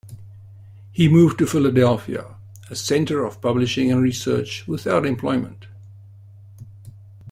He moved to Philadelphia, a center of publishing and research, without employment.